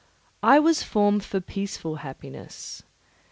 I was formed for peaceful happiness.